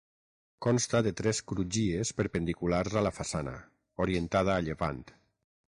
Consta de tres crugies perpendiculars a la façana, orientada a llevant.